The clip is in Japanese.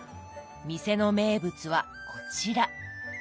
店の名物はこちら。